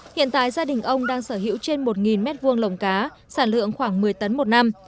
hiện tại gia đình ông đang sở hữu trên một m hai lồng cá sản lượng khoảng một mươi tấn một năm